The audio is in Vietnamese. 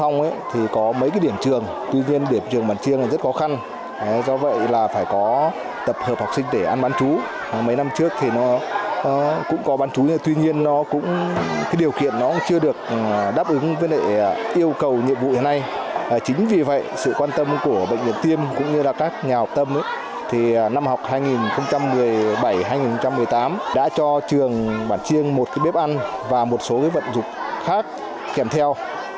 năm học hai nghìn một mươi bảy hai nghìn một mươi tám đã cho trường bản chiêng một bếp ăn và một số vật dụng khác kèm theo